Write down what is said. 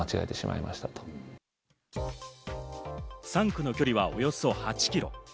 ３区の距離はおよそ８キロ。